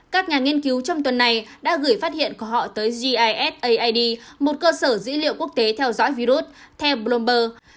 các nhà nghiên cứu trong tuần này đã gửi phát hiện của họ tới gis aid một cơ sở dữ liệu quốc tế theo dõi virus theo bloomberg